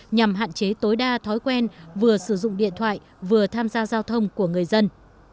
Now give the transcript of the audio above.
nhằm hạn chế tối đa thói quen vừa sử dụng điện thoại vừa tham gia giao thông của người dân